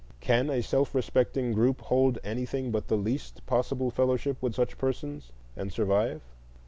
can a self respecting group hold anything but the least possible fellowship with such persons and survive?